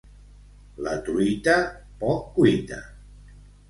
La truita, poc cuita.